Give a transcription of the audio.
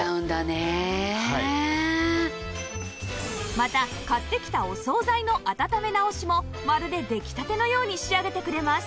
また買ってきたお総菜の温め直しもまるで出来たてのように仕上げてくれます